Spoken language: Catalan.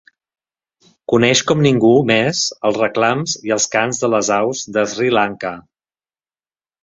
Coneix com ningú més els reclams i els cants de les aus de Sri Lanka.